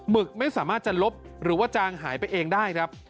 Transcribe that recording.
ึกไม่สามารถจะลบหรือว่าจางหายไปเองได้ครับ